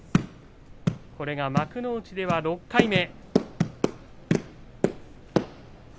これが幕内では６回目。